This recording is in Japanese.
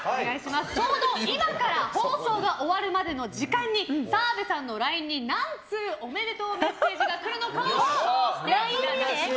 ちょうど今から放送が終わるまでの時間に澤部さんのＬＩＮＥに何通おめでとうメッセージが来るのかを予想していただきます。